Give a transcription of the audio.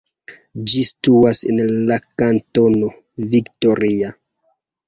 Ĝi situas en la kantono Victoria.